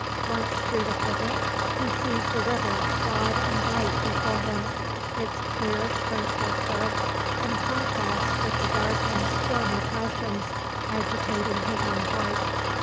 Once through the thicket, he sees the river broad and bright before him: its clear tranquil current in contrast with the dark and stormy passions agitating his own heart.